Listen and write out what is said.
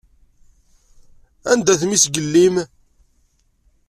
Anda-t mmi-s n yelli-m?